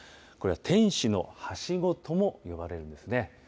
これは天使のはしごとも呼ばれるんですね。